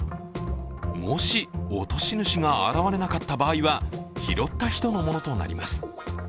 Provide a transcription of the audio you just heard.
もし落とし主が現れなかった場合は拾った人のものとなります。